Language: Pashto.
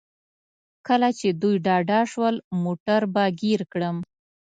کله چې دوی ډاډه شول موټر به ګیر کړم.